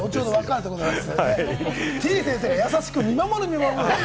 てぃ先生、優しく見守る見守る。